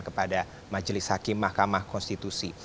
kepada majelis hakim mahkamah konstitusi